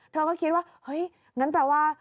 เธอก็คิดว่าเฮ้ยงั้นแปลว่า